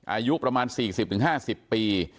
อายุประมาณ๔๐๕๐ปี